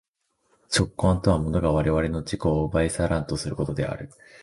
直観とは物が我々の自己を奪い去らんとすることである。